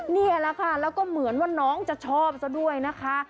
นี่แหละค่ะแล้วก็เหมือนว่าน้องจะชอบซะด้วยนะคะ